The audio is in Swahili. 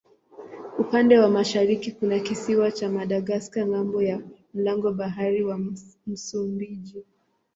Upande wa mashariki kuna kisiwa cha Madagaska ng'ambo ya mlango bahari wa Msumbiji.